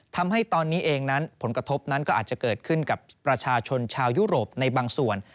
ทำให้ตอนนี้เองนั้นผลกระทบนั้นก็อาจจะเกิดขึ้นกับประชาชนชาวยุโรปในบางส่วน